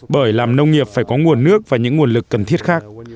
bởi làm nông nghiệp phải có nguồn nước và những nguồn lực cần thiết khác